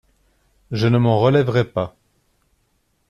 Je ne m'en relèverais pas.